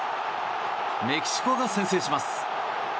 メキシコが先制します。